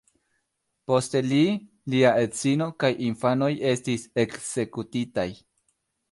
Poste li, lia edzino kaj infanoj estis ekzekutitaj.